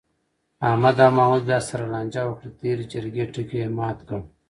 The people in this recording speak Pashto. احمد او محمود بیا سره لانجه وکړه، د تېرې جرگې ټکی یې مات کړ.